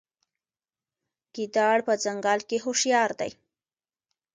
ګیدړ په ځنګل کې هوښیار دی.